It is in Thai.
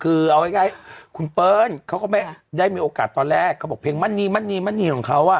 คือเอาง่ายคุณเปิ้ลเขาก็ไม่ได้มีโอกาสตอนแรกเขาบอกเพลงมั่นนีมั่นนีมั่นนีของเขาอ่ะ